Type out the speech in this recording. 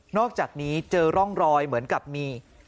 อกจากนี้เจอร่องรอยเหมือนกับมี